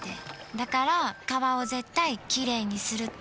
だから川を絶対きれいにするって。